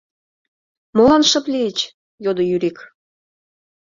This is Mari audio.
Молан шып лийыч? — йодо Юрик.